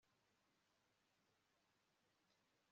Irahari ariko ndumva ihumeka